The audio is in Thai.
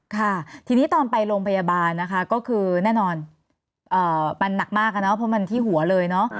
ค่ะทีนี้ตอนไปโรงพยาบาลนะคะก็คือแน่นอนมันหนักมากอะเนาะเพราะมันที่หัวเลยเนอะ